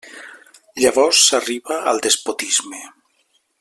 Llavors s'arriba al despotisme.